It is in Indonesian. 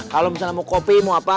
kalau misalnya mau kopi mau apa